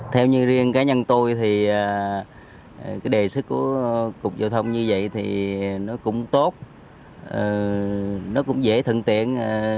theo như riêng cá nhân tôi thì đề sức của cục giao thông như vậy thì nó cũng tốt nó cũng dễ thận tiện